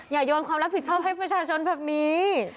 โยนความรับผิดชอบให้ประชาชนแบบนี้